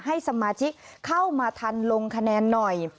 ให้สมาชิกเข้ามาทันลงคะแนนหน่อย